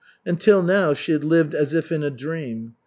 Until now she had lived as if in a dream.